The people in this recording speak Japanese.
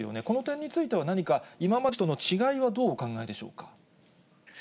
この点については何か、今までのベラルーシとの違いはどうお考えでしょうか。